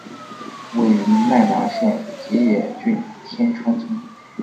位在奈良县吉野郡天川村。